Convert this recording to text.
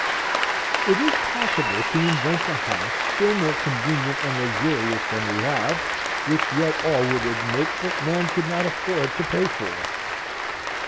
It is possible to invent a house still more convenient and luxurious than we have, which yet all would admit that man could not afford to pay for.